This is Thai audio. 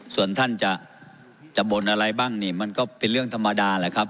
ส่วนท่านจะบ่นอะไรบ้างนี่มันก็เป็นเรื่องธรรมดาแหละครับ